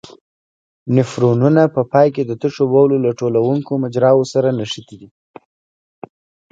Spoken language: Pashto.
نفرونونه په پای کې د تشو بولو له ټولوونکو مجراوو سره نښتي دي.